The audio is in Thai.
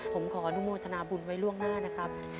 ผมขออนุโมทนาบุญไว้ล่วงหน้านะครับ